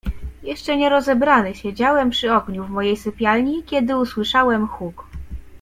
"Jeszcze nie rozebrany siedziałem przy ogniu w mojej sypialni, kiedy usłyszałem huk."